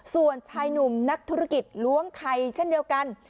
ส่วนชายหนุ่มนักธุรกิจล้วงไข่เช่นเดียวกัน